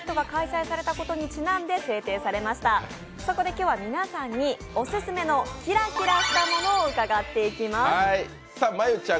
今日は皆さんにオススメのキラキラしたものを伺っていきます。